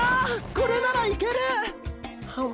これならいける！！はむっ。